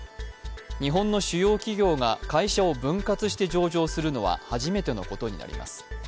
日本の主要企業が会社を分割して上場するのは初めてのことになります。